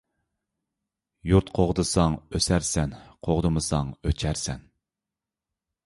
يۇرت قوغدىساڭ ئۆسەرسەن . قوغدىمىساڭ ئۆچەرسەن.